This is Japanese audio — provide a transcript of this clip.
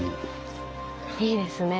いいですねぇ。